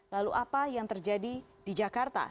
lalu apa yang terjadi di jakarta